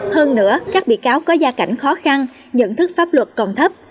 hơn nữa các bị cáo có gia cảnh khó khăn nhận thức pháp luật còn thấp